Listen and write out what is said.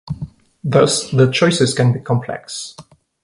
Thus the choices can be complex.